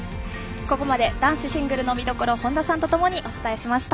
ここまで男子シングルの魅力を本田さんとともにお伝えしました。